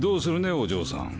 お嬢さん。